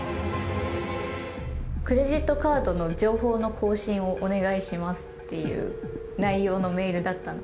クレジットカードの情報の更新をお願いしますっていう内容のメールだった。